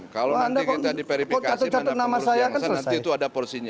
kalau nanti kita diperifikasi mana pengurus yang sah nanti itu ada porsinya